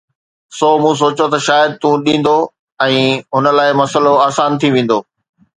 سو مون سوچيو ته شايد تون ڏيندو ۽ هن لاءِ اهو مسئلو آسان ٿي ويندو